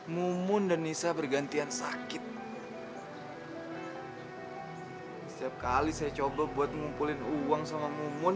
mumun dan nisa bergantian sakit setiap kali saya coba buat ngumpulin uang sama mumun